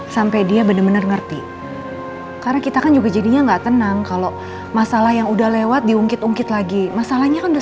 sampai jumpa di video selanjutnya